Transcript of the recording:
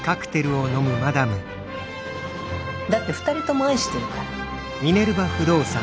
だって二人とも愛してるから。